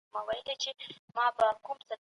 که صادرات ډیر سي د هیواد اقتصاد به وده وکړي.